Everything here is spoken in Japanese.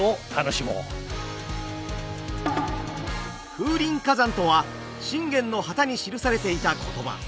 「風林火山」とは信玄の旗に記されていた言葉。